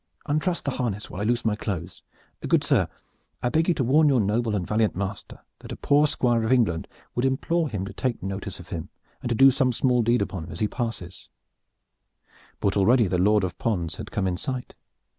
Untruss the harness whilst I loose my clothes! Good sir, I beg you to warn your noble and valiant master that a poor Squire of England would implore him to take notice of him and to do some small deed upon him as he passes." But already the Lord of Pons had come in sight.